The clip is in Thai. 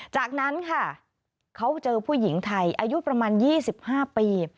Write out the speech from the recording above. จากนั้นค่ะเขาเจอผู้หญิงไทยอายุประมาณ๒๕ปี